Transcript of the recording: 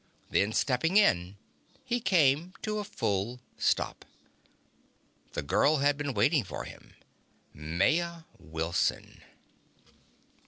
Then, stepping in, he came to a full stop. The girl had been waiting for him Maya Wilson.